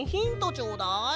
ちょうだい。